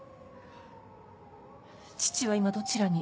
父は今どちらに？